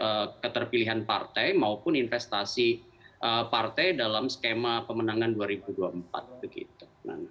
dari keterpilihan partai maupun investasi partai dalam skema pemenangan dua ribu dua puluh empat begitu